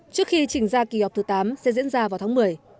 trước khi trình ra kỳ họp thứ tám sẽ diễn ra vào tháng một mươi